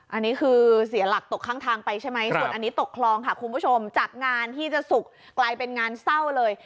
อันนี้คือเสียหลักตกข้างทางไปใช่ไหมส่วนอันนี้ตกคลองค่ะคุณผู้ชมจากงานที่จะสุกกลายเป็นงานเศร้าเลย